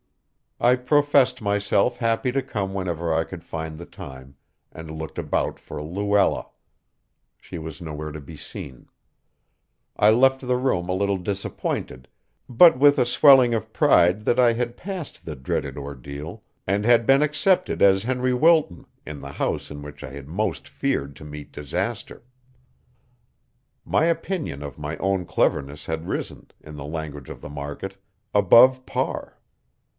I professed myself happy to come whenever I could find the time, and looked about for Luella. She was nowhere to be seen. I left the room a little disappointed, but with a swelling of pride that I had passed the dreaded ordeal and had been accepted as Henry Wilton in the house in which I had most feared to meet disaster. My opinion of my own cleverness had risen, in the language of the market, "above par."